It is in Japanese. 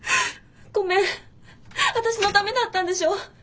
ごめん私のためだったんでしょ？